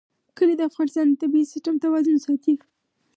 کلي د افغانستان د طبعي سیسټم توازن ساتي.